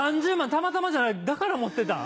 たまたまじゃないだから持ってたん？